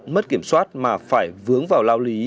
mất kiểm soát mang dao